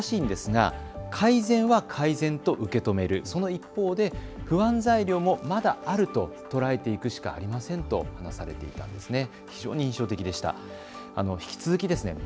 捉え方のバランスは難しいんですが改善は改善と受け止めるその一方で不安材料もまだあると捉えていくしかありませんとお話されていたんです。